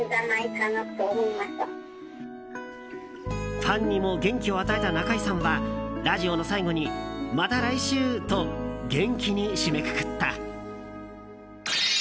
ファンにも元気を与えた中居さんはラジオの最後に「また来週！」と元気に締めくくった。